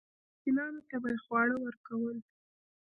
مسکینانو ته به یې خواړه ورکول.